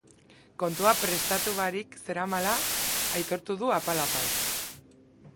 Kontua prestatu barik zeramala aitortu du apal-apal.